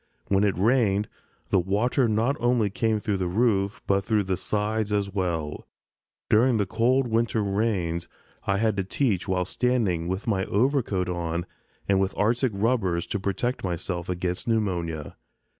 When it rained the water not only came through the roof, but through the sides as well. During cold winter rains I had to teach while standing with my overcoat on and with arctic rubbers to protect myself against pneumonia.